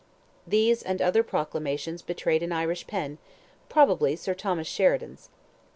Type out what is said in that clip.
These and his other proclamations betrayed an Irish pen; probably Sir Thomas Sheridan's.